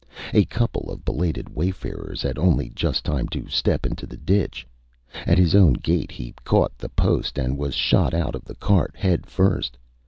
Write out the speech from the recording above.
A couple of belated wayfarers had only just time to step into the ditch. At his own gate he caught the post and was shot out of the cart head first.